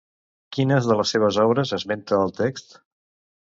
Quines de les seves obres esmenta el text?